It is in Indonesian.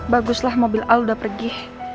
bagus lah mobil aldebaran udah pergi